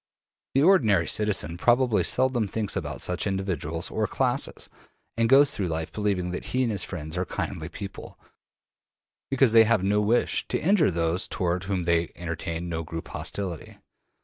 The ordinary citizen probably seldom thinks about such individuals or classes, and goes through life believing that he and his friends are kindly people, because they have no wish to injure those toward whom they entertain no group hostility.